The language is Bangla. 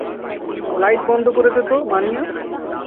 লাইট বন্ধ করে দাও তো, মানিয়া।